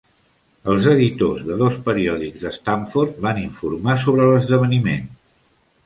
Els editors de dos periòdics de Stamford van informar sobre l'esdeveniment.